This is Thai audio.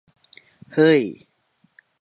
เห้ย